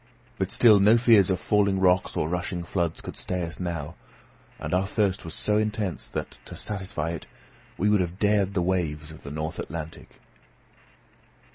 But still no fears of falling rocks or rushing floods could stay us now; and our thirst was so intense that, to satisfy it, we would have dared the waves of the north Atlantic.